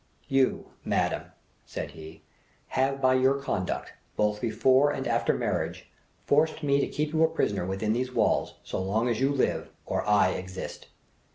"You, madam," said he, "have by your conduct, both before and after marriage, forced me to keep you a prisoner within these walls so long as you live or I exist.